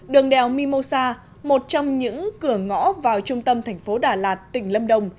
đường đèo mimosa một trong những cửa ngõ vào trung tâm thành phố đà lạt tỉnh lâm đồng